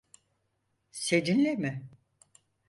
Seninle mi?